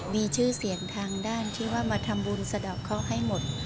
มีชื่อเสียงทางด้านที่ว่ามาทำบุญสะดอกเขาให้หมด